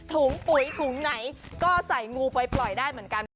ถุงปุ๋ยถุงไหนก็ใส่งูไปปล่อยได้เหมือนกัน